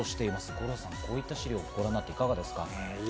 五郎さん、こういった資料をみていかがですか？